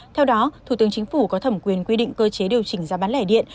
theo đó thủ tướng chính phủ có thẩm quyền quy định cơ chế điều chỉnh giá bán lẻ điện